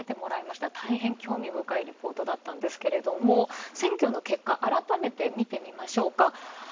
たいへん興味深いリポートだったんですけど、選挙の結果改めて見てみましょうか。